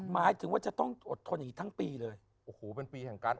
หมายถึงว่าจะต้องอดทนอย่างนี้ทั้งปีเลยโอ้โหเป็นปีแห่งการ